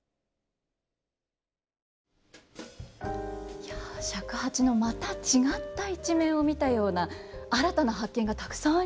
いや尺八のまた違った一面を見たような新たな発見がたくさんありました。